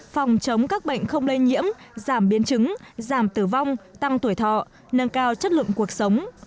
phòng chống các bệnh không lây nhiễm giảm biến chứng giảm tử vong tăng tuổi thọ nâng cao chất lượng cuộc sống